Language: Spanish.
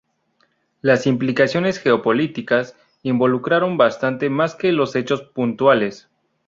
Las implicaciones geopolíticas involucraron bastante más que los hechos puntuales.